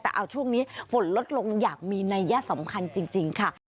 แต่เอาช่วงนี้ฝนลดลงอยากมีนัยยะสำคัญจริงค่ะ